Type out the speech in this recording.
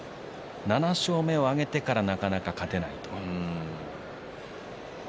７勝目を挙げてからなかなか勝てない。